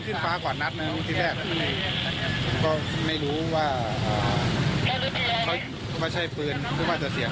เล็กมาด้านนี้เค้ารั่วบ้าง